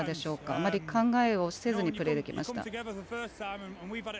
あまり考えをせずにプレーできました。